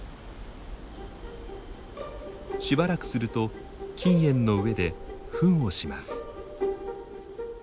しばらくすると菌園の上でフンをします。